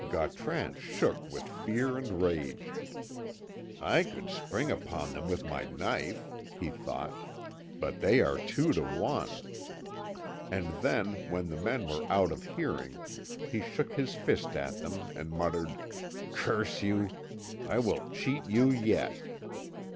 Gautran shook with fear and rage. "I could spring upon them with my knife," he thought, "but they are two to one." And then, when the men were out of hearing, he shook his fist at them, and muttered: "Curse you! I will cheat you yet!"